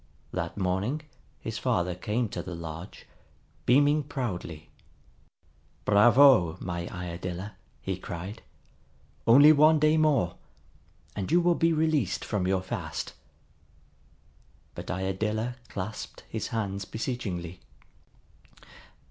That morning his father came to the lodge, beaming proudly. "Bravo, my Iadilla!" he cried. "Only one day more, and you will be released from your fast." But Iadilla clasped his hands beseechingly.